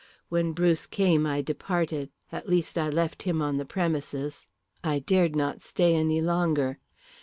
When Bruce came I departed, at least I left him on the premises. I dared not stay any longer.